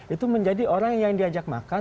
itu menjadi orang yang diajak makan